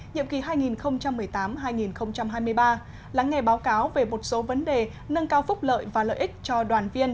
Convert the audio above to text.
nhiệm kỳ hai nghìn một mươi tám hai nghìn hai mươi ba lắng nghe báo cáo về một số vấn đề nâng cao phúc lợi và lợi ích cho đoàn viên